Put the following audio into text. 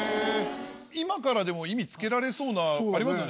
今からでも意味つけられそうなのありますよね。